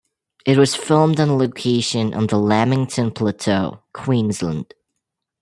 It was filmed on location on the Lamington Plateau, Queensland.